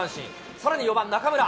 さらに４番中村。